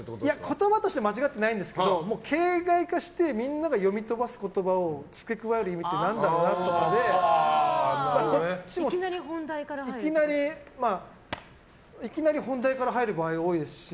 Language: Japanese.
言葉としては間違ってないですけど形骸化してみんなが読み飛ばす言葉を付け加える意味っていきなり本題から入るってことですか？